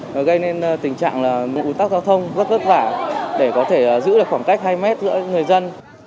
và gây nên tình trạng là ủn tắc giao thông rất vất vả để có thể giữ được khoảng cách hai mét giữa người dân